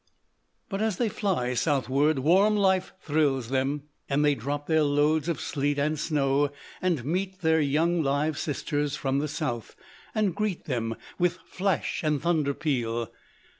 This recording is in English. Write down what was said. "But as they fly southward warm life thrills them, and they drop their loads of sleet and snow, and meet their young live sisters from the south, and greet them with flash and thunderpeal.